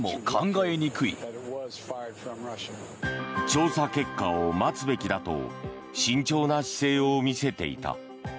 調査結果を待つべきだと慎重な姿勢を見せていた。